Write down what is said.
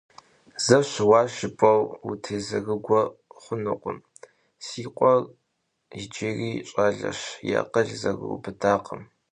Зэ щыуащ жыпӀэу утезэрыгуэ хъунукъым, си къуэр иджыри щӀалэщ, и акъыл зэрыубыдакъым.